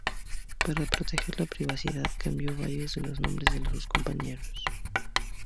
Para proteger la privacidad, cambió varios de los nombres de sus compañeros.